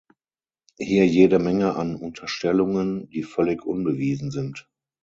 Hier jede Menge an Unterstellungen, die völlig unbewiesen sind.